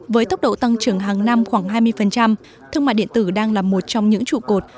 với tốc độ tăng trưởng hàng năm khoảng hai mươi thương mại điện tử đang là một trong những trụ cột